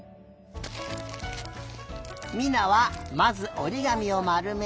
美菜はまずおりがみをまるめて。